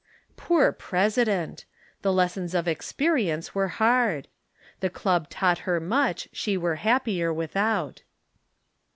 Poor president! The lessons of experience were hard! The Club taught her much she were happier without.